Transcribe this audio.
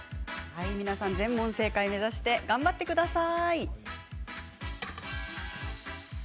皆さん全問正解目指して頑張ってください。